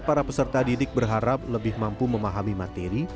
para peserta didik berharap lebih mampu memahami materi